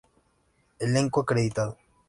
Elenco acreditado